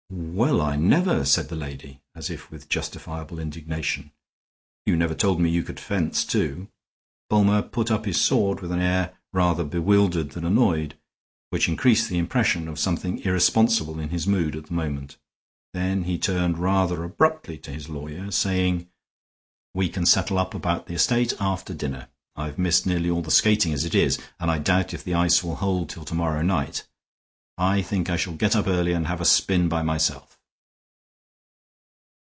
"Well, I never!" said the lady, as if with justifiable indignation. "You never told me you could fence, too." Bulmer put up his sword with an air rather bewildered than annoyed, which increased the impression of something irresponsible in his mood at the moment; then he turned rather abruptly to his lawyer, saying: "We can settle up about the estate after dinner; I've missed nearly all the skating as it is, and I doubt if the ice will hold till to morrow night. I think I shall get up early and have a spin by myself."